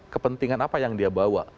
kepentingan apa yang dia bawa